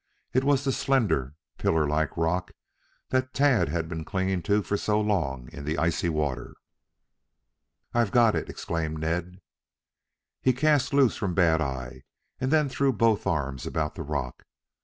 It was the slender, pillar like rock that Tad had been clinging to for so long in the icy water. "I've got it," exclaimed Ned. He cast loose from Bad eye and threw both arms about the rock.